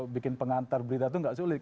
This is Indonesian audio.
bikin pengantar berita itu nggak sulit